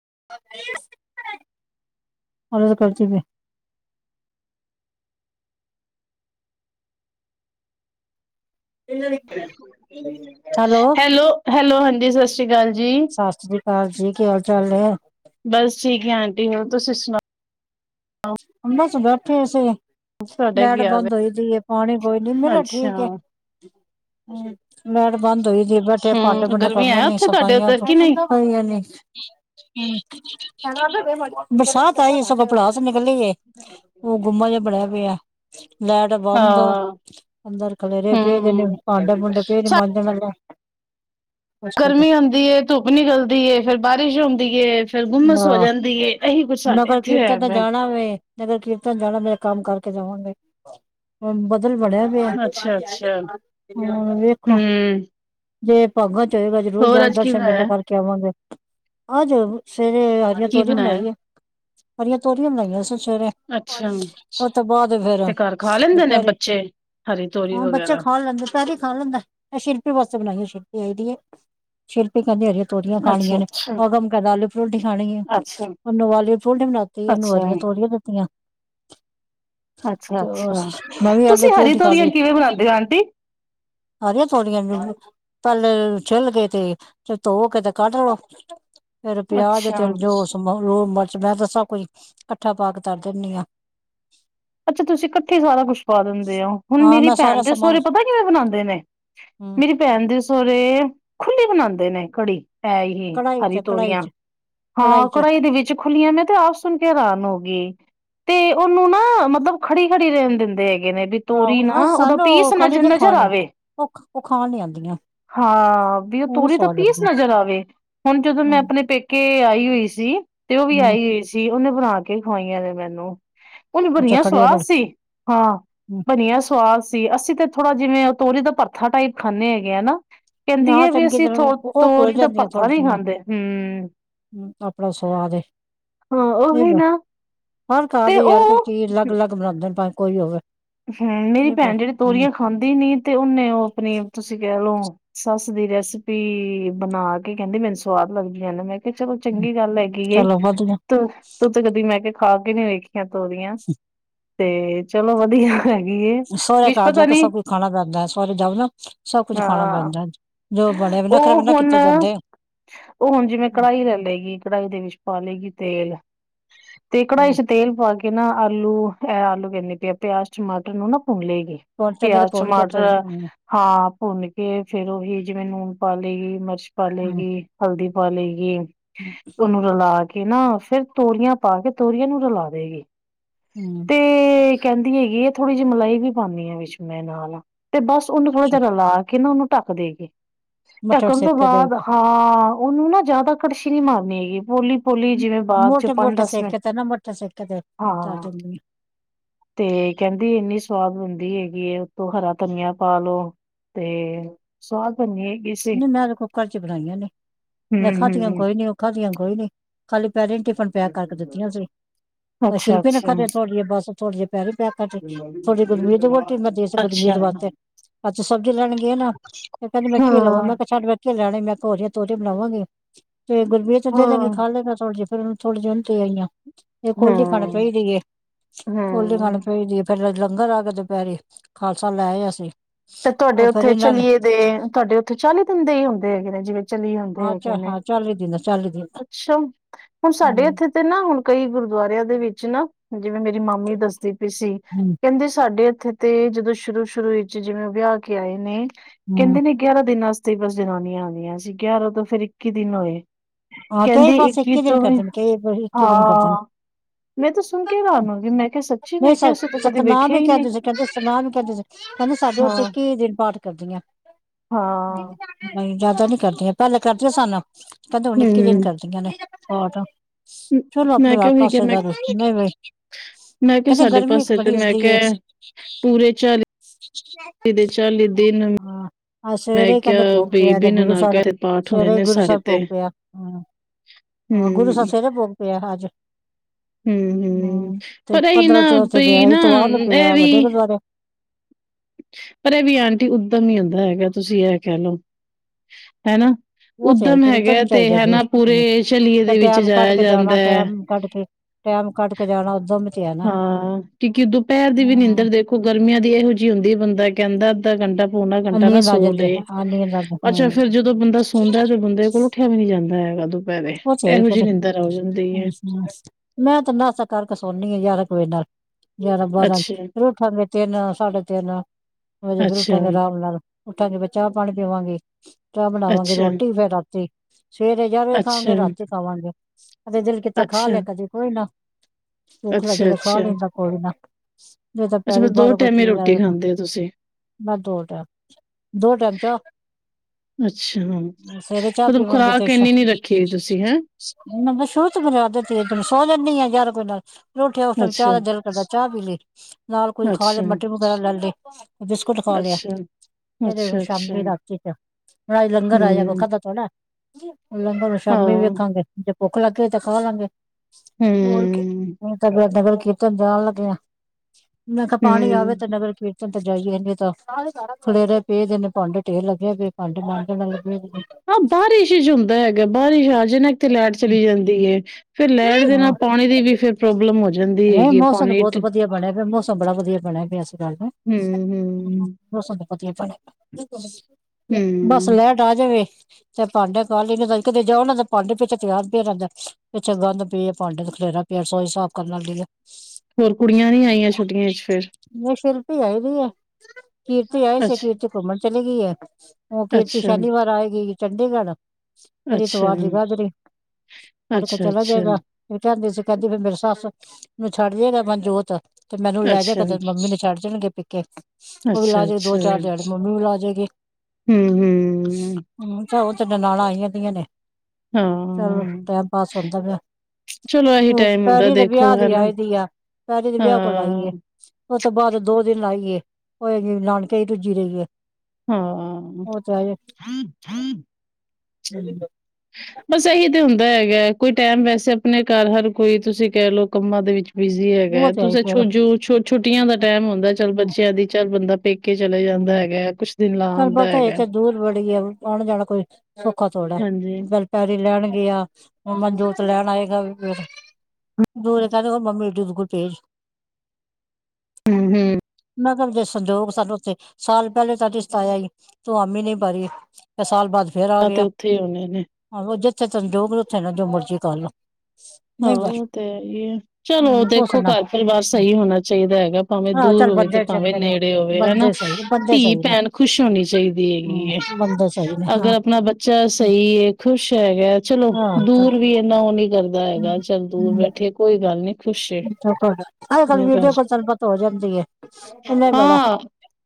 [unintelligible] Hello hello ਹਾਂਜੀ ਸਤਿ ਸ੍ਰੀ ਅਕਾਲ ਜੀ ਸਤਿ ਸ੍ਰੀ ਅਕਾਲ ਜੀ ਕੀ ਹਾਲ ਚਾਲ ਹੈ ਬਸ ਠੀਕ ਹੈ ਆਂਟੀ ਹੋਰ ਤੁਸੀਂ ਸੁਣਾਓ ਅੰਦਾਸ [unintelligible] [unintelligible] ਤੁਹਾਡਾ ਲਾਈਟ ਕੀ ਹਾਲ ਬੰਦ ਹੋਈ ਦੀ ਹੈ ਪਾਣੀ ਕੋਈ ਨੀ ਹੈ ਮਿਲਬ ਅੱਛਾ ਠੀਕ ਏ ਹਮ ਲੋੜ ਬੰਦ ਜੈ ਬੈਠੇ ਪਾੰਡੇ ਹਮ ਪੂੰਡੇ ਗਰਮੀ ਕਰਨੇ ਹੈ ਨੀ ਉੱਥੇ ਤੁਹਾਡੇ ਸਫਾਈਆਂ ਉੱਧਰ ਕਿ ਨਹੀਂ [unintelligible] ਬਰਸਾਤ ਆਈ ਇਸ ਸਗੋ ਭ੍ਰਾਸ ਨਿਕਲ ਗਈ ੲ, ਉ ਗੁੰਮਾ ਜਾ ਬਨੀਏ ਪਿਏ। ਲੈਟ ਬੰਦ, ਹਾਂ ਅੰਦਰ ਖਲੇਰੇ ਪੇ ਦੇਨੇ, ਹਮ ਪਾਂਡੇ ਪੂੰਡੇ ਪੇ ਨੇ ਮਾਂਜਣ ਵਾਲੇ ਗਰਮੀ ਆਂਦੀ ਏ, ਧੁੱਪ ਨਿਕਲਦੀ ਏ, ਫੇਰ ਬਾਰਿਸ਼ ਹੁੰਦੀ ਏ, ਫੇਰ ਗੁੰਮਸ ਹੋ ਜਾਂਦੀ ਏ, ੲਹੀ ਕੁੱਛ ਸਾਡੇ ਇੱਥੇ ਹੋਇੲ। ਤਾਂ ਜਾਨਾ ਵੇ। ਨਗਰ ਕੀਰਤਨ ਜਾਨਾ, ਮੇਰ ਕੰਮ ਕਰਕੇ ਜਾਵਾਂਗੇ ਹੁਨ ਬੱਚਿਆਂ ਬਣਿਆ ਪਿਆ ਅੱਛਾ ਅੱਛਾ ਹਮ ਵੇਖੋ। ਹਮ ਜੇ ਪਗਤ ਵੇਲੇ ਜ਼ਰੂਰ ਹੋਰ ਜਾਮ ਅੱਜ ਕੀ ਦਰਸ਼ਨ ਬਣਾਇਆ ਵੇਲੇ ਕਰਕੇ ਆਵਾਂਗੇ। ਆਜ ਸਵੇਰੇ ਹਰੀ ਕੀ ਤੋਰੀ ਬਣਾਇਆ ਬਣਾਈ ਏ ਹਰੀਅ ਤੋਰੀਆਂ ਨਾਇਆਂ ਸੀ। ਅੱਛਾ ਉਹ ਤੋਂ ਬਾਅਦ ਫੇਰ ਤੇ ਘਰ ਖਾ ਲੈਂਦੇ ਨੇ ਦੁਪੇੈਰੇ ਬੱਚੇ ਹਰੀ ਤੋਰੀ ਹਾਂ ਬੱਚੇ ਵਗੈਰਾ ਖਾ ਲੈਂਦੇ ਦੁਪਹਿਰੇ ਖਾ ਲੈਂਦਾ, ਇਹ ਸ਼ਿਰਪੀ ਵਾਸਤੇ ਬਣਾਈਏ ਸ਼ਿਰਪੀ ਚਾਇਦੀ ੲ ਸ਼ਿਲਪੀ ਕੈੰਦੀ ਹਰੀਆ ਤੋਰੀਆਂ ਖਾਣੀਏ ਅੱਛਾ ਨੇ ਅੱਛਾ ਅਗਮ ਕੈੰਦਾ ਆਲੂ ਪ੍ਰੋਂਠੀ ਖਾਣੀ ਏ ਅੱਛਾ ਉਨੂੰ ਆਲੂ ਪਰੋਂਠੀ ਬਨਾ ਤਿ ਅੱਛਾ ਇਨੂੰ ਹਰੀਆਂ ਅੱਛਾ ਤੋਰੀਆਂ ਦਿੱਤੀਆਂ [inaudible] ਅੱਛਾ ਤੇ ਅੱਛਾ ਮੈਂ ਵੀ ਆਲੂ ਤੁਸੀਂ ਹਰੀ ਪਰੋੰਠੀ ਤੋਰੀਆਂ ਖਾਲੀ, ਕਿਵੇਂ ਬਣਾਉਂਦੇ ਹੋ ਆਂਟੀ? ਹਰੀਆ ਤੋਰੀਆਂ ਛਿਲ ਕੇ, ਤੇ ਤੋ ਕੇ, ਤੇ ਕੱਟ ਲੋ ਫੇਰ ਪਿਆਜ ਅੱਛਾ। ਤੇ‌‌ ਜ਼ੋ ਸਮਾ ਨੂਨ ਮਰਚ, ਮੈ ਤਾਂ ਸਭ ਕੁੂ ਕੱਠਾ ਪਾ ਕੇ ਤਰ ਦਿੰਨੀ ਹਾਂ। ਅੱਛਾ, ਤੁਸੀਂ ਕੱਠੇ ੲ ਸਾਰਾ ਕੁੱਛ ਪਾ ਦਿੰਦੇ ੳ, ਹੁਨ ਹਾਂ ਮੇਰੀ ਮੈਂ ਸਾਰਾ ਭੈਣ ਦੇ ਸਮਾਨ ਸੋਰੇ ਪਤਾ ਕਿਵੇਂ ਬਨਾਂਦੇ ਨੇ, ਹਮ ਮੇਰੀ ਭੈਣ ਦੇ ਸੋਰੇ ਖੁੱਲੀ ਬਨਾ ਇਹ ਨਹੀਂ ਘੜੀ ਕੜਾਹੀ ਹਰੀ ਚ ਕੜਾਹੀ ਤੋਰੀਆਂ ਚ ਹਾਂ ਕੜਾਹੀ ਚ ਕੜਾਈ ਦੇ ਵਿੱਚ ਖੁੱਲੀਆਂ ਮੈਂ ਤੇ ਆਪ ਸੁਨ ਕੇ ਹੈਰਾਨ ਹੋ ਗੀ। ਤੇ ਉਨੂੰ ਨਾ ਮਤਲਬ ਖੜੀ ਖੜੀ ਰੈਨ ਦਿੰਦੇ ਹੈ। ਵੀ ਆਹੋ ਤੋਰੀ ਨਾ ਆਹ ਓਦਾ ਸਾਨੂੰ ਪੀਸ ਉਹ ਖੜੀ ਦੇ ਨਜ਼ਰ-ਨਜ਼ਰ ਖਾਣ ਆਵੇ ਉਹ ਉਹ ਖਾਣ ਨੀ ਆਉਂਦੀਆਂ ਹਾਂ ਵੀ ਓ ਉਹ ਨੀ ਤੋਰੀ ਦਾ ਸਵਾਦ ਪੀਸ ਲੱਗਦੀਆਂ ਨਜ਼ਰ ਆਵੇ ਹੁਨ ਜਦੋਂ ਮੈਂ ਹਮ ਅਪਨੇ ਪੇਕੇ ਆਈ ਹੋਈ ਸੀ, ਤੇ ਓ ਵੀ ਹਮ ਆਈ ਸੀ। ਉਹਨੇ ਬਣਾ ਕੇ ਖਵਾਈਆਂ ਨੇ ਮੈਨੂੰ ੳਝੰ ਅੱਛਾ ਬਨਿਯਾ ਖੜੇ ਸਵਾਦ ਅਗਰ ਸੀ, ਹਾਂ ਬਣਿਆ ਸਵਾਦ ਸੀ ਅਸੀਂ ਤੇ ਥੋੜਾ ਜਿਵੇਂ ਉਹ ਤੋਰੀ ਦਾ ਪਰਥਾ ਟਾਈਪ ਖਾਂਦੇ ਹੈਗੇ ਨਾ ਕਹਿੰਦੀ ਨਾ ਹੈ ਵੀ ਚੰਗੀ ਅਸੀਂ ਤਰ੍ਹਾਂ ਥੋ ਉਹ ਤੋਰੀ ਦਾ ਖੁੱਲਜਾਂਦੀਆਂ ਭਰਥਾ ਥੋੜੀਆਂ ਨਹੀਂ ਜਿਹੀਆਂ, ਖਾਂਦੇ ਹਮ ਆਪਣਾ ਸਵਾਦ ਏ, ਹਾਂ ਨਹੀਂ ਉਹੀ ਬਈ ਨਾ ਹਰ ਖਰ ਤੇ ਦੀ ਯਾਰ ਕੋ ਉਹ ਚੀਜ਼ ਅਲੱਗ ਅਲੱਗ ਬਣਾਦੇ ਪਏ ਕੋਈ ਹੋਵੇ ਹਮ ਮੇਰੀ ਨਹੀਂ ਬਈ ਭੈਣ ਜਿਹੜੀ ਹਮ, ਤੋਰੀਆਂ ਖਾਂਦੀ ਨੀ ਤੇ ਉਹਨੇ ਉਹ ਆਪਣੀ ਤੁਸੀਂ ਕਹਿ ਲਓ ਸੱਸ ਦੀ ਰੈਸਿਪੀ ਬਣਾ ਕੇ ਕਹਿੰਦੀ ਮੈਨੂੰ ਸਵਾਦ ਲੱਗਦੀਆਂ ਨੇ ਮੈਂ ਚਲੋ ਹਮ, ਚੰਗੀ ਗੱਲ ਹੈਗੀ ਏ ਚਲੋ ਵਧੀਆ ਤੂ ਤੂ ਤੇ ਕਦੀ ਮੈਂ ਕਿਹਾ ਖਾ ਕੇ ਨੀ ਆਏਗੀ ਤੋਰੀਆਂ ਤੇ ਚਲੋ ਵਧੀਆ ਵਧੀਆ ਹੈਗੀ ਹੈ, ਸਹੁਰੇ ਵਿੱਚ ਘਰ ਜਾ ਪਤਾ ਕੇ ਨੀ, ਸਭ ਕੁਝ ਖਾਣਾ ਪੈਂਦਾ ਹੈ ਸਹੁਰੇ ਜਾਓ ਨਾ ਸਭ ਕੁਝ ਖਾਣਾ ਹਾਂ ਪੈਂਦਾ ਹੈ ਜੋ ਬਣਿਆ ਨਖਰੇ ਵੀ ਉਹ ਨਾ ਹੁਣ ਕੀਤੇ ਜਾਂਦੇ ਉਹ ਹੁਣ ਜਿਵੇਂ ਕੜਾਹੀ ਲੈ ਲਏਗੀ ਕੜਹੀ ਦੇ ਵਿੱਚ ਪਾ ਲਏਗੀ ਤੇਲ ਤੇ ਕੜਾਹੀ ਹਮ ਚ ਤੇਲ ਪਾ ਕੇ ਨਾ ਆਲੂ ਅ ਆਲੂ ਕੇਨੀ ਪਈ ਆ। ਪਿਆਜ ਟਮਾਟਰ ਨੂੰ ਨਾ ਭੁੰਨ ਲੇਗੀ ਪੌਣ ਚੰਗੇ ਤੇ ਪਿਆਜ ਪੌਣ ਕੀਤੇ ਟਮਾਟਰ ਹਮ ਹਾਂ ਭੁੰਨ ਕੇ ਫੇਰ ਉਹੀ ਜਿਵੇਂ ਨੂਣ ਪਾਲੇਗੀ ਮਿਰਚ ਪਾ ਹਮ ਲਏਗੀ ਹਲਦੀ ਪਾ ਲਏਗੀ ਹਮ, ਉਹਨੂੰ ਰਲਾ ਕੇ ਤੇ ਨਾ ਫੇਰ ਤੋਰੀਆਂ ਪਾ ਕੇ ਤੋਰੀਆਂ ਨੂੰ ਰਲਾ ਦੇਗੀ- ਹੂੰ ਤੇ ਕਹਿੰਦੀ ਹੈਗੀ ਆ ਥੋੜ੍ਹੀ ਜਿਹੀ ਮਲਾਈ ਵੀ ਪਾਉਂਦੀ ਆ ਵਿੱਚ ਨਾਲ ਬਸ ਉਹਨੂੰ ਥੋੜਾ ਅੱਛਾ। ਜਿਹਾ ਰਲਾ ਕੇ ਨਾ ਉਹਨੂੰ ਤੱਕ ਦੇ ਕੇ ਮੱਠੇ ਉੱਠ ਢੱਕਣ ਸੇਕ ਤੋਂ ਕੇ ਦੇ ਬਾਅਦ, ਹਾਂ ਉਹਨੂੰ ਨਾ ਜ਼ਿਆਦਾ ਕੜਛੀ ਨੀ ਮਾਰਨੀ ਹੈਗੀ, ਪੋਲੀ ਮੁਠ ਮੁਠ ਸੇਕੇ ਤੇ ਨਾ ਮੁੱਠ ਸੇਕੇ ਤੇ ਧਰ ਹਾਂ ਦਿੰਦੀ ਆ ਤੇ ਕਹਿੰਦੀ ਇੰਨੀ ਸਵਾਦ ਹੁੰਦੀ ਹੈਗੀ ਉਤੋਂ ਹਰਾ ਧਨੀਆ ਪਾ ਲੋ ਤੇ ਸਵਾਦ ਬਨੀ ਹੈ। ਨਹੀਂ ਮੈਂ ਤੇ ਕੁੱਕਰ ਚ ਬਣਾਈਆਂ ਨੇ ਖਾਧੀਆਂ ਹੂੰ-ਹੂੰ। ਕੋਈ ਨੀ ਉਹ ਖਾਧੀਆਂ ਕੋਈ ਨੀ ਖਾਲੀ ਪੈਰੀ ਟਿਫਿਨ ਪੈਕ ਕਰਕੇ ਦਿੱਤੀਆਂ ਸੀ ਬ ਸ਼ਿਲਪੀ ਨ ਅੱਛਾ-ਅੱਛਾ। ਖਾ ਦੇ ਤੁਹਾਡੀ ਜ ਬਸ ਥੋੜੇ ਜਿਹੇ ਪੈਰੀ ਪੈਕ ਕਰ ਥਹਾਡੀ ਗੁਰਮੀਤ ਦੀ ਬੋਟੀ ਮੈਂ ਦੇ ਅੱਛਾ ਗੁਰਮੀਤ ਵਾਸਤੇ ਅੱ ਸ ਗਿਲਣਗੇ ਨਾ ਤੇ ਕਹਿੰਦੇ ਮ ਉਹ ਮੈਂ ਹਾਂ-ਹਾਂ-ਹਾਂ-ਹਾਂ ਕ [inaudible] ਲੈਣੇ ਮੈਂ ਕੋਰੀਆ ਤੋਰੀਆਂ ਬਣਾਵਾਂਗੀ। ਤੇ ਗੁਰਮੀਤ ਦੇ ਦੇਗੇ ਖਾਲੇਗਾ ਥੋੜ੍ਹਾ ਜਿਹੇ ਫਿਰ ਉਹਨੂੰ ਥੋੜ੍ਹ [unintelligible] ਆਈਆਂ। ਇਹ ਕੋਲੀ ਖੰਡ ਪਈਦੀ ਏ, ਕੋਲੀ ਖੰਡ ਪਾਈਦੀ ਏ ਫਿਰ ਲੰਗਰ ਆ ਕੇ ਦੁਪਹਿਰੇ ਖਾਲਸਾ ਲੈ ਆਏ ਅਸੀਂ। ਤੇ ਤੁਹਾਡੇ ਉਹ ਫਿਰ ਉੱਥੇ ਇਹਨਾਂ ਨੇ ਚਲੀਏ ਦੇ ਤੁਹਾਡੇ ਉਥੇ ਚਾਲੀ ਦਿਨ ਦੇ ਹੀ ਹੁੰਦੇ ਹੈਗੇ ਨੇ ਜਿਵੇਂ ਚਲੀ ਜਾਂਦੇ ਹਾਂ ਹੈਗੇ ਚ ਨੇ। ਹਾਂ ਚੱਲ ਹੀ ਦਿੰਦਾ ਚੱਲ ਹੀ ਦਿੰਦਾ ਅੱਛਾ! ਹੁਨ ਸਾਡੇ ਹੂੰ ਇੱਥੇ ਤੇ ਨਾ ਹੁਣ ਕਈ ਗੁਰਦੁਆਰਿਆਂ ਦੇ ਵਿੱਚ ਨਾ ਜਿਵੇਂ ਮੇਰੀ ਮਾਮੀ ਦੱਸਦੀ ਸੀ ਹੂੰ ਕਹਿੰਦੇ ਸਾਡੇ ਇੱਥੇ ਤੇ ਜਦੋਂ ਸ਼ੁਰੂ, ਸ਼ੁਰੂ ਜਿਵੇਂ ਉਹ ਵਿਆਹ ਕੇ ਆਏ ਨੇ। ਹੂੰ ਕਹਿੰਦੇ ਨੇ ਗਿਆਰਾਂ ਦਿਨਾਂ ਬਸ ਜਨਾਨੀਆਂ ਆਦੀਆਂ ਸੀ। ਗਿਆਰਾਂ ਤੋਂ ਫੇਰ ਇੱਕੀ ਦਿਨ ਹੋਏ। ਹਾਂ ਕਈ ਕਹਿੰਦੀ ਬਸ ਇੱਕੀ ਦਿਨ ਤੋਂ ਵੀ ਕਰਦੇ ਨੇ ਕਈ ਇੱਕੀ ਦਿਨ ਕਰਦੇ ਹਾਂ ਮੈਂ ਤਾਂ ਸੁਣ ਕੇ ਨੇ ਹੈਰਾਨ ਹੋ ਗਈ ਮੈਂ ਕਿਹਾ ਸੱਚੀ ਨਹੀਂ ਮੈਂ ਕਿਹਾ ਅਸੀਂ ਤਾਂ ਕਦੇ ਸਤਨਾਮ ਵੇਖਿਆ ਵੀ ਹੀ ਨਹੀਂ ਕਹਿੰਦੇ ਸੀ ਕਹਿੰਦੇ ਸਤਨਾਮ ਵੀ ਕਹਿੰਦੇ ਸੀ ਕਹਿੰਦੇ ਦ ਹਾਂ ਇੱਕ ਦਿਨ ਪਾਠ ਕਰਦੀਆਂ ਹਾਂ ਜ਼ਿਆਦਾ ਨੀ ਕਰਦੀਆਂ ਪਹਿਲਾਂ ਕਰਦੀਆਂ ਸਨ ਕਦੋਂ ਹੋਣੀ। ਇਕੀ ਦਿਨ ਹਮ ਕਰਦੀਆਂ ਨੇ ਹੋਰ ਦੋ। ਚਲੋ ਆਪਣੇ ਮੈਂ ਵ ਕਿਹਾ ਉਹੀ ਕਿਹਾ ਮੈਂ ਪਾਸੇਦਾਰ ਕਹਿੰਦੇ, ਮੈਂ ਕਿਹਾ ਐਥੇ ਸਾਡੇ ਗਰਮੀ ਇੱਕ ਪਾਸੇ ਤੇ ਬੜੀ ਮੈਂ ਹੁੰਦੀ ਐ, ਕਿਹਾ ਪੂਰੇ ਚਾਲੀ ਦੇ ਚਾਲੀ ਦਿਨ ਹਾਂ ਮੈਂ ਸਵੇਰੇ ਹੀ ਕਹਿੰਦੇ ਕਿਹਾ ਭੋਗ ਵੀ ਪਿਆ ਤੇ ਬਿਨ ਗੁਰੂਸਰ ਨਾਗਾ ਦੇ ਪਾਠ ਹੁੰਦੇ ਸਵੇਰੇ ਹੀ ਨੇ ਸਾਡੇ ਗੁਰੂਸਰ ਤੇ ਭੋਗ ਪਿਆ। ਹਮ ਹਾਂ ਗੁਰੂ [inaudible] ਪਿਆ ਆਜ ਹੂੰ, ਹੂੰ ਪਰ ਏਨਾ ਪੰਦਰਾਂ ਤੇ ਉੱਥੇ ਪਿਆ ਬਈ ਨਾ ਇਤਵਾਰ ਨੂੰ ਇਹ ਪਿਆ ਵੀ ਵੱਡੇ ਗੁਰਦੁਆਰੇ ਪਰ ਇਹ ਵੀ ਆਂਟੀ ਉੱਦਮ ਹੀ ਹੁੰਦਾ। ਹੈਗਾ ਤੇ ਤੁਸੀਂ ਐਹ ਕਹਿ ਲਓ। ਹੈਨਾ। ਉਹ ਤੇ ਹੈ ਉਧਮ ਫਿਰ ਉਧਰ ਹੈਗਾ ਵੀ ਤੇ ਚਾਹੀਦਾ ਹੈ ਨਾ। ਜ਼ਰੂਰ ਪੂਰੇ ਹਮ ਛਲੀਏ ਤੇ ਦੇ ਵਿੱਚ ਜਾਇਆ ਜਾਂਦਾ ਐ। ਟਾਈਮ ਕੱਢ ਕੇ ਜਾਣਾ ਓਦੋਂ ਹਾਂ ਕਿਉਕਿ ਦੁਪੈਰ ਦੀ ਵੀ ਨੀਂਦਰ ਦੇਖੋ ਗਰਮੀਆਂ ਦੀ ਇਹੋ ਜਿਹੀ ਹੁੰਦੀ ਐ ਬੰ ਦਾ ਕਹਿੰਦਾ ਅੱਧਾ ਘੰਟਾ ਪੋਨਾ ਹਮ ਘੰਟਾ ਨਾ ਨੀਂਦ ਆ ਸੋ ਜਾਂਦੀ ਲਏ। ਆ ਨੀਂਦ ਆ ਜਾਂਦੀ ਅੱਛਾ ਹਮ ਫਿਰ ਜਦੋਂ ਬੰਦਾ ਸੌਦਾ ਤੇ ਬੰਦੇ ਕੋਲ ਉੱਠਿਆ ਵੀ ਨੀ ਜਾਂਦਾ ਹੈਗਾ। [inaudible] ਉਹ ਤੇ ਹੈ ਈ ਇਹੋ ਜਿਹੀ ਫਿਰ, ਨਿੰਦਰ ਹੋ ਜਾਂਦੀ ਹੈ ਮੈਂ ਤੇ ਨਾਸਤਾ ਕਰਕੇ ਸੋਨੀ ਆ ਯਾਰ ਹੋਏ ਨਾਲ ਯਾਰਾ ਬਾਰਾਂ ਅੱਛਾ, ਫਿਰ ਓਠਾਂਗੇ। ਤਿੰਨ ਸਾਢੇ ਤਿੰਨ ਹਜੇ ਫਿਰ ਅੱਛਾ। ਉੱਠਾਂਗੇ ਆਰਾਮ ਨਾਲ। ਉੱਠਾਂਗੇ ਫੇਰ ਚਾਅ ਪਾਣੀ ਪਿਵਾਂਗੀ। ਚਾਹ ਬਣਾਵਾਂਗੇ, ਅੱਛਾ, ਰੋਟੀ ਫੇਰ ਰਾਤੀ। ਸਵੇਰ ਯਾਰਾ ਅੱਛਾ, ਖਾਂਗੇ ਰਾਤੀ ਖਾਂਵਾਗੇ। ਹਾਂ [unintelligible] ਕਦੇ ਦਿਲ ਕੀਤਾ ਖਾ ਅੱਛਾ, ਲਿਆ, ਕਦੇ ਕੋਈ ਨਾ। ਭੂਖ ਲੱਗੇ ਅੱਛਾ, ਤਾ ਖਾ ਅੱਛਾ। ਲਈ, ਨ ਤੇ ਕੋਈ ਨਾ। ਜੇ ਤਾਂ ਅੱਛਾ ਪੈਰੀ ਮਤਲਬ ਬਾਹਰੋਂ ਕੋਈ ਟਾਈਮ ਈ ਚੀਜ਼ ਰੋਟੀ ਲੈਏ ਤਾਂ, ਖਾਂਦੇ ਹੋ ਤੁਸੀਂ। ਮੈਂ ਦੋ ਟੈਮ, ਦੋ ਟੈਮ ਚਾਹ, ਅੱਛਾ ਹਾਂ, ਸਵੇਰੇ ਚਾਹ ਮਤਲਬ ਪੀਵਾਂਗੇ ਤੇ ਖੁਰਾਕ ਛਾ ਇੰਨੀ ਨੀ ਰੱਖੀ ਹੋਈ ਤੁਸੀਂ ਹੈਂ? ਉਹਨ ਬਸ ਸ਼ੂ ਤੇ ਮਰੀ ਆਦਤ ਏ ਸੋ ਜਾਂਦੀ ਆ ਯ ਕੋਈ ਨਾ। [unintelligible] ਚਾਹ ਅੱਛਾ, ਦਾ ਦਿਲ ਕਰਦਾ। ਚਾ ਪੀਲੀ। ਨਾਲ ਕੁਝ ਖਾ ਲਿਆ ਅੱਛਾ, ਮਟਰੀ ਵਗੈਰਾ ਲੈ ਲਏ, ਬਿਸਕੁਟ ਖਾ ਲਿਆ, ਅੱਛਾ, ਫੇਰ ਅੱਛਾ, ਅੱਛਾ। ਸ਼ਾਮੀ ਰਾਤੀ ਚ ਹੁਣ ਅੱਜ ਲੰਗਰ ਆਇਆ ਉਹ ਹੂੰ, ਖਾਦਾ ਥੋੜਾ। [unintelligible] ਹਾਂ, ਸ਼ਾਮੀ ਵੇਖਾਂਗੇ ਭੁੱਖ ਲੱਗੇ ਤੇ ਖਾ ਲਾਂਗੇ। ਹੋਰ ਕੀ ਹੂੰ, [unintelligible] [unintelligible] ਜਾਣ ਲੱਗਿਆ। ਮੈ ਕਿਹਾ ਪਾਣੀ ਆਵੇ ਹੂੰ। ਤੇ ਨਗਰ ਕਿਰ ਤਨ ਤੇ ਜਾਈਏ ਨਹੀ ਤਾਂ ਖਲੇਰੇ ਪਏ ਦੇ ਨੇ, ਭਾਂਡੇ ਢੇਰ ਲੱਗੇ ਪਏ, ਭਾਂਡੇ ਮਾਂਝਣ ਆਲੇ ਪਏ ਦੇ ਨੇ। ਹਾਂ ਬਾਰਿਸ਼ ਚ ਹੁੰਦਾ ਹੈਗਾ। ਬਾਰੀਸ਼ ਆਜੇ ਨਾ। ਤੇ ਲੈਟ ਚਲੀ ਜਾਂਦੀ ਏ। ਫਿਰ ਲੈਟ ਦੇ ਹਾਂ ਨਾਲ ਪਾਣੀ ਦੀ ਵੀ ਫਿਰ ਪ੍ਰੋਬਲਮ ਹੋ ਜਾਂਦੀ ਨਹੀਂ ਹੈਗੀ ਏ ਮੌਸਮ ਤਾਂ ਪਾਣੀ ਬਹੁਤ ਵਧੀਆ ਬਣਿਆ ਮੌਸਮ ਬੜਾ ਵਧੀਆ ਬਣਿਆ ਪਿਆ ਸੀ। ਹੂੰ, ਹੂੰ, [unintelligible] ਬਸ ਹੂੰ। ਲੈਟ ਆ ਜਾਵੇ ਤੇ ਭਾਂਡੇ [unintelligible] ਕਿਤੇ ਜਾਓ ਨਾ ਤਾਂ ਭਾਂਡੇ ਤਿਆਰ ਪਏ ਰਹਿੰਦਾ ਪਿੱਛੇ ਗੰਦ ਪਿਆ ਦਾ ਭਾਂਡੇ ਦਾ ਖਿਲਰੇ ਪਏ ਆ ਰਸੋਈ ਸਾਫ ਕਰਨ ਆਲੀ ਹੋਰ ਕੁੜੀਆਂ ਨੀ ਆਈਆਂ ਛੁੱਟੀਆਂ 'ਚ ਫਿਰ? ਸ਼ਿਲਪੀ ਆਏ ਪਈ ਐ ਕੀਰਤੀ ਆਏ ਸੀ ਅੱਛਾ, ਕੀਰਤੀ ਘੁੰਮਣ ਚਲੀ ਗਈ ਹੈ ਉਹ ਕੀਰਤੀ ਅੱਛਾ। ਸ਼ਨੀਵਾਰ ਆਏਗੀ ਚੰਡੀਗੜ੍ਹ ਫਿਰ ਅੱਛਾ, ਐਤਵਾਰ ਜਗਾਧਰੀ [unintelligible] ਚਲਾ ਅੱਛਾ-ਅੱਛਾ, ਜਾਏਗਾ ਕਹਿੰਦੀ ਸੀ ਕਹਿੰਦੀ ਵੀ ਮੇਰੇ ਸੱਸ ਨੂੰ ਛੱਡ ਜਏਗਾ ਮਨਜੋਤ ਤੇ ਮੈਨੂੰ ਲੈ ਜਾ ਅੱਛਾ, ਕਦੇ ਮੰਮੀ ਨੇ ਛੱਡ ਜਾਣਗੇ ਪੀਕੇ ਉਹ ਵੀ ਲਾ ਜਾਏਗੀ ਦੋ ਅੱਛਾ-ਅੱਛਾ, ਚਾਰ ਦਿਨ ਮੰਮੀ ਵੀ ਲਾ ਜੇਗੀ ਇੱਕ ਹੂੰ, ਹੂੰ, ਹਾਂ ਉਹ ਤੁਹਾਡੇ ਨਾਲ ਆਈਆਂ ਪਈਆਂ ਨੇ ਚਲੋ ਹਾਂ, ਤੇ ਚਲੋ ਇਹੀ [unintelligible] ਟਾਈਮ ਹੁੰਦਾ ਪੈਰੀ ਦੇ ਦੇਖੋ ਵਿਆਹ ਦੀ ਹਨਾ, ਆਏ ਦੀ ਆ ਪੈਰੀ ਦੇ ਵਿਆਹ ਕੋਲ ਹਾਂ, ਆਈਏ ਉਹ ਤੋਂ ਬਾਅਦ ਦੋ ਦਿਨ ਲਾਈਏ ਹੋਏ ਨਾਨਕੇ ਦੀ ਰੁੱਜੀ ਰਹੀਏ ਹਾਂੰ ਹਮ ਹ ਬਸ ਇਹੀ ਤੇ ਹੁੰਦਾ ਹੈਗਾ ਕੋਈ ਟਾਈਮ ਵੈਸੇ ਆਪਣੇ ਘਰ ਹਰ ਕੋਈ ਤੁਸੀਂ ਕਹਿ ਲਓ ਕੰਮਾਂ ਦੇ ਵਿੱਚ ਬਿਜੀੀ ਹੈਗਾ ਉਹ ਹੈ ਤੇ ਆਈ ਤੁਸੀ ਫੇਰ ਛਜ ਛੁੱਟੀਆਂ ਦਾ ਟਾਈਮ ਆਉਂਦਾ ਚੱਲ ਬੱਚਿਆਂ ਦੀ ਚੱਲ ਬੰਦਾ ਪੇਕੇ ਚਲੇ ਜਾਂਦਾ ਹਮ ਹੈਗਾ ਕੁਛ ਦਿਨ ਲਾ ਚੱਲ ਆਂਦਾ ਪਤਾ ਹੈਗਾ, ਇਥੇ ਦੂਰ ਬੜੀ ਆ ਆਉਣ ਜਾਣਾ ਕੋਈ ਆ ਥੋੜਾ ਹਾਂਜੀ, ਖੜੇ ਪੈਰੀ ਲੈਣਗੇ ਹੁਣ ਮੰਨਜੋ ਤੇ ਲੈਣ ਆਏਗਾ ਫਿਰ ਦੂਰੇ ਕਹਿੰਦੇ ਮੰਮੀ ਦ ਦ ਕੋਲ ਪੇਜ ਹਮ ਹਮ ਨਗਰ ਦੇ ਸਹਿਯੋਗ ਸਾਨੂੰ ਤੇ ਸਾਲ ਪਹਿਲੇ ਤੁਹਾਡੀੇ ਸਤਾਇਆ ਸੀ ਤੂੰ ਆਮੀ ਨੀ ਪਾਰੀ ਤੇ ਸਾਲ ਬਾਅਦ ਫੇਰ ਆ ਤੇ ਗਿਆ ਉੱਥੇ ਹੀ ਹੋਣੇ ਨੇ। ਹਾਂ ਜਿੱਥੇ ਤਨੂੰ ਜੋ ਮ ਉੱਥੇ ਨਾ ਜੋ ਮਰਜ਼ੀ ਚਲ ਹਹੋ ਉਹ ਤੇ ਇਹੀ ਹੈ ਚਲੋ ਹੂੰ ਤੂੰ ਦੇਖੋ ਸੁਣਾ ਘਰ ਹੂੰ ਫਿਰ ਬਾਹਾਰ ਸਹੀ ਹੋਣਾ ਚਾਹੀਦਾ ਹੈਗਾ ਭਾਵੇਂ ਆਹੋ ਦੂਰ ਚੱਲ ਹੋਵੇ ਤੇ ਬੰਦੇ ਭਾਵੇਂ ਚੰਗੇ ਨੇ ਨੇੜੇ ਹੋਵੇ ਹਨਾ ਬੰਦੇ ਸਹੀ ਬੰਦੇ ਧੀ ਸਹੀ ਨੇ ਭੈਣ ਖੁਸ਼ ਹੋਣੀ ਚਾਹੀਦੀ ਹਮ ਹੈਗੀ ਹੈ ਬੰਦੇ ਸਹੀ ਨੇ ਅਗਰ ਹਾਂ ਆਪਣਾ ਬੱਚਾ ਸਹੀ ਖੁਸ਼ ਹੈਗਾ ਚਲੋ ਆਹੋ ਦੂਰ ਵੀ ਇੰਨਾ ਉਹ ਨੀ ਕਰਦਾ ਹੈਗਾ ਚੱਲ ਦੂਰ ਬੈਠੇ ਕੋਈ ਗੱਲ ਨੀ ਏ ਛਕ [unintelligible] ਇੰਨਾ ਬੜਾ ਹਾਂ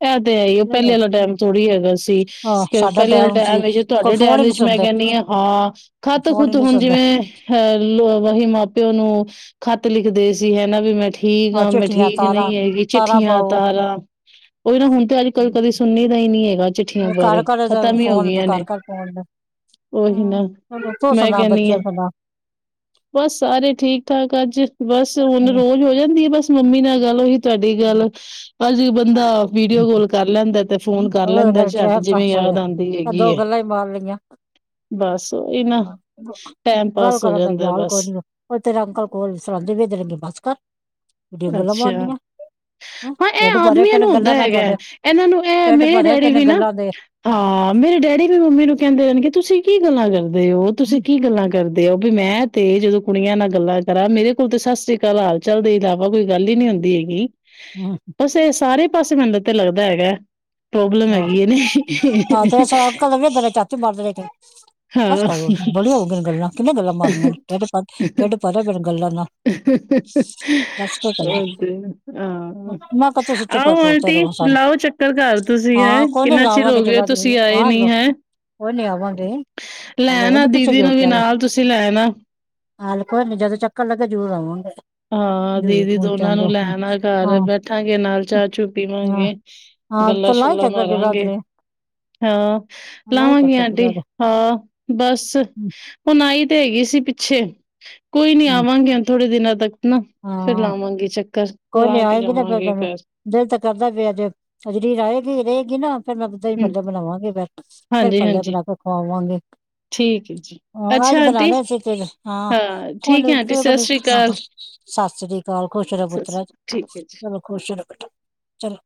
ਇਹ ਤੇ ਹੈ ਹੀ ਉਹ ਪਹਿਲੇ ਵਾਲਾ ਟੈਮ ਥੋੜ੍ਹੀ ਹੈਗਾ ਸੀ ਆਹ ਸਾਡਾ ਪਹਿਲੇ ਵਾਲਾ ਟਾਈਮ ਟੈਮ ਸੀ ਵਿੱਚ ਕੋਈ ਤੁਹਾਡੇ ਫੋਨ ਟੈਮ ਹੀ ਨਹੀਂ ਵਿੱਚ ਮੈਂ ਸੁਣਦੇ ਕਹਿੰਦੀ ਹ ਹਾਂ ਖ਼ੱਤ ਫੋਨ ਹੀ ਖੁੱਤ ਨਹੀਂ ਹੁਣ ਸੁਣਦੇ ਜਿਵੇਂ ਅਹ ਲੋ ਵਹੀ ਮਾਂ ਪਿਓ ਨੂੰ ਖ਼ਤ ਲਿਖਦੇ ਸੀ ਹਨਾ ਵੀ ਮੈਂ ਠੀ ਠੀਕ ਆਹ ਆਂ ਮੈਂ ਚਿੱਠੀਆਂ ਠੀਕ ਤਾਰਾਂ ਨਹੀਂ ਹੈਗੀ ਤਾਰਾਂ ਚਿੱਠੀਆਂ ਪਾਓ ਤਾਰਾਂ ਉਹੀ ਨਾ ਹੁਣ ਤੇ ਅੱਜ ਕੱਲ ਕਦੇ ਸੁਣਨੀ ਦਾ ਹੀ ਨਹੀਂ ਹੈਗਾ ਚਿੱਠੀਆਂ ਘਰ ਬਾਰੇ ਘਰ ਖਤਮ ਹੀ ਹੋ ਫੋਨ ਗਈਆਂ ਘਰ ਨੇ ਘਰ ਫੋਨ ਉਹੀ ਨਾ ਹਮ ਚਲੋ ਤੂੰ ਮੈਂ ਸੁਣਾ ਕਹਦੀ ਆ ਬੱਚੇ ਸੁਣਾ ਬਸ ਸਾਰੇ ਠੀਕ ਠਾਕ ਅੱਜ ਬਸ ਹੁਣ ਹਮ ਰੋਜ਼ ਹੋ ਜਾਂਦੀ ਆ ਬਸ ਮੰਮੀ ਨਾਲ ਗੱਲ ਉਹੀ ਤੁਹਾਡੀ ਗੱਲ ਅਜੀ ਬੰਦਾ ਵੀਡੀਓ ਕਲ ਕਰ ਲੈਂਦਾ ਤੇ ਫੋਨ ਕਰ ਲੈਂਦਾ ਉਹ ਝੱਟ ਟਾਈਮ ਜਿਵੇਂ ਪਾਸ ਹੋਇਆ ਯਾਦ ਆਉਂਦੀ ਇਹ ਹੈਗੀ ਦੋ ਗੱਲਾਂ ਹੀ ਮਾਰ ਲਈਆਂ ਬਸ ਉਹੀ ਨਾ ਟੈਮ ਗੱਲ ਪਾਸ ਹੋ ਕਰਨ ਦਾ ਜਾਂਦਾ ਵਿਆਹ ਬਸ ਕੋਈ ਨੀ ਉਹ ਤੇਰੇ ਅੰਕਲ ਕੋਲ ਸਲਾਉਂਦੇ ਵੀ ਰਗੇ ਬਸ ਕਰ ਕਿੱਡੀਆਂ ਗੱਲਾਂ ਅੱਛਾ ਮਾਰਨੀਆਂ ਹਾਂ ਇਹ ਕਿਹੜੇ ਮਾਰੇਿਆ ਆਦਮੀਆਂ ਪੈਣੇ ਨੂੰ ਹੁੰਦਾ ਗੱਲਾਂ ਨਾਲ ਹੈਗਾ ਤੁਹਾਡੇ ਇਹਨਾਂ ਨੂੰ ਢਿੱਡ ਮੇਰੇ ਭਰੇ ਪਏ ਡੈਡੀ ਨੇ ਵੀ ਨਾ ਗੱਲਾਂ ਦੇ ਹਾਂ ਮੇਰੇ ਡੈਡੀ ਵੀ ਮੰਮੀ ਨੂੰ ਕਹਿੰਦੇ ਰਹਿਣਗੇ ਤੁਸੀਂ ਕੀ ਗੱਲਾਂ ਕਰਦੇ ਹੋ ਤੁਸੀਂ ਕੀ ਗੱਲਾਂ ਕਰਦੇ ਹੋ ਵੀ ਮੈਂ ਤੇ ਜਦੋਂ ਕੁੜੀਆਂ ਨਾਲ ਗੱਲਾਂ ਕਰਾਂ ਮੇਰੇ ਕੋਲ ਤੇ ਸਤਿ ਸ੍ਰੀ ਅਕਾਲ ਹਾਲ ਚਾਲ ਦੇ ਇਲਾਵਾ ਕੋਈ ਗੱਲ ਹੀ ਨੀ ਹੁੰਦੀ ਹੈਗੀ ਹਮ, ਵੇਸੇ ਸਾਰੇ ਪਾਸੇ ਮੈਨੂੰ ਤੇ ਲੱਗਦਾ ਹੈਗਾ ਪ੍ਰੋਬਲਮ ਹੈਗੀ ਹੈ ਆਹੋਾਂ ਨੇ ਤੇ ਕ ਵੀਦ ਚਾਚੀ ਮਰਦੇ ਰਹੇ ਕੇ ਹਾਂ ਬਸ ਕਰੋ ਬੜੀਆਂ ਹੋਗੀਆਂ ਨੇ ਗੱਲਾਂ ਕਿੰਨੀਆਂ ਗੱਲਾਂ ਮਾਰਨੀਆਂ ਨੇ ਢਿੱਡ ਭਰ ਢਿੱਡ ਭਰੇ ਪਏ ਨੇ ਗੱਲਾਂ ਨਾਲ ਦੱਸ ਕੇ ਕਰੀ ਹਾਂ ਮੈਂ ਕਹ ਤੁਸੀਂ ਚੁੱਪ ਆਓ ਕਰੋ ਤੇ ਆਂਟੀ ਰਹੋ ਸਾਨੂੰ ਲਾਓ ਚੱਕਰ ਘਰ ਤੁਸੀਂ ਹੈ ਹਾਂ ਕੋਈ ਨਹੀਂ ਕਿੰਨਾ ਚਿਰ ਹੋ ਲਾਵਾਂਗੇ ਗਏ ਹੋ ਜਗ੍ਹਾ ਤੇ ਤੁਸੀਂ ਆਏ ਬਾਹਰ ਨੀ ਲੋ ਹੈ ਕੋਈ ਨਹੀਂ ਆਵਾਂਗੇ ਹਲੋ ਲੈਣਾ ਦੀਦੀ ਨੂੰ ਵੀ ਨਾਲ ਤੁਸੀਂ ਲੈਣਾ ਹਾਂਲੇ ਕੋੋਈ ਨੀਂ ਜਦੋਂ ਚੱਕਰ ਲੱਗਿਆ ਹੋਇਆ ਜ਼ਰੂਰ ਆਵਾਂਗੇ ਹਾਂ ਜ਼ਰੂਰ ਦੀਦੀ ਦੋਨਾਂ ਨੂੰ ਪਹੁੰਚਾਂਗੇ ਹਮ, ਲੈਣਾ ਹਾਂ ਘਰ ਬੈਠਾਂਗੇ ਨਾਲ ਚਾਹ ਚੂ ਹਾਂ ਪੀਵਾਂਗੇ ਗੱਲਾਂ ਚਲਾ ਮਾਰਾਂਗੇ ਹਾਂ ਲਾਵਾਂਗੀ ਆਂਟੀ ਹਾਂ ਬਸ ਹੁਣ ਆਈ ਤੇ ਹੈਗੀ ਸੀ ਪਿੱਛੇ [inaudible] ਕੋਈ ਨੀ ਆਵਾਂਗੇ ਥੋੜੇ ਦਿਨਾਂ ਤੱਕ ਨਾ ਫਿਰ ਹਾਂ ਲਾਵਾਂਗੇ ਚੱਕਰ ਕੋਈ ਨੀ ਲਾ ਕੇ ਆਏਗੀ ਨਾ ਫਿਰ ਜਾਵਾਂਗੇ ਘਰ ਦਿਲ ਤਾਂ ਕਰਦਾ ਪਿਆ ਤੇ ਅਜਰੀਰ ਆਏਗੀ ਰਹੇਗੀ ਨਾ ਫਿਰ ਮੈਂੱ ਧਹੀ ਹੂੰ ਭੱਲਾ ਬਣਾਵਾਂਗੇ ਬਰ ਫਿਰ ਹਾਂਜੀ ਭੱਲੇ ਹਾਂਜੀ ਬਣਾ ਕੇ ਖਵਾਵਾਂਗੇ ਠੀਕ ਹੈ ਜੀ ਹਾਂ, ਅੱਜ ਅੱਛਾ ਬਣਾ ਆਂਟੀ ਲਏ ਸੀ ਤੇ ਹਾਂ ਠੀਕ ਹੈ ਆਂਟੀ ਸਤਿ ਸ਼੍ਰੀ ਅਕਾਲ ਸਤਿ ਸ੍ਰੀ ਅਕਾਲ ਖੁਸ਼ ਰ ਸਤਿ ਪੁੱਤਰਾ ਸ਼੍ਰੀ ਅਕਾਲ ਠੀਕ ਹੈ ਜੀ ਚਲੋ ਖੁਸ਼ ਚਲੋ ਬੇਟਾ ਚਲੋ